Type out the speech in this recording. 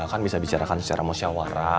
kan bisa bicarakan secara musyawara